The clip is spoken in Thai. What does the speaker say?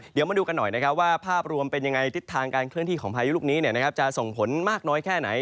เดี๋ยวมาดูกันหน่อยนะครับว่าภาพรวมเป็นยังไงทิศทางการเคลื่อนที่ของพายุลูกนี้จะส่งผลมากน้อยแค่ไหน